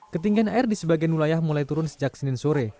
ketinggian air di sebagian wilayah mulai turun sejak senin sore